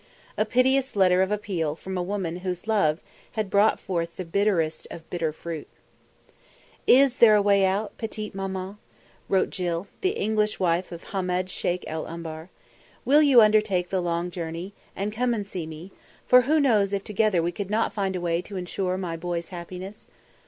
A piteous letter of appeal from a woman whose love had brought forth the bitterest of bitter fruit. "... Is there a way out, Petite Maman?" wrote Jill, the English wife of Hahmed Sheikh el Umbar. "Will you undertake the long journey and come and see me, for who knows if together we could not find a way to ensure my boy's happiness?